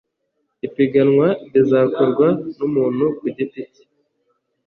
Ipiganwa rizakorwa n’umuntu kugiti cye